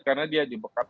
karena dia di bekap